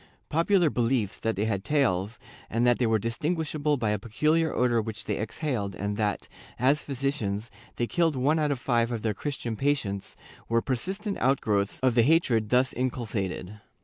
^ Popular beliefs that they had tails, and that they were distinguishable by a peculiar odor which they exhaled and that, as physicians, they killed one out of five of their Christian patients, were persistent outgrowths of the hatred thus inculcated.